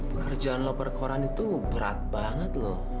pekerjaan loper koran itu berat banget loh